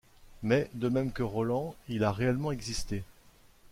Mais, de même que Roland, il a réellement existé.